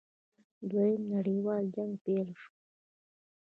دویم نړیوال جنګ پیل شو.